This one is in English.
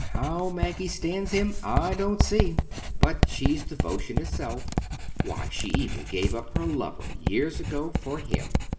How Maggie stands him I don't see; but she's devotion itself. Why, she even gave up her lover years ago, for him.